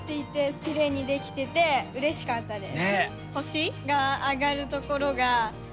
きれいにできててうれしかったです。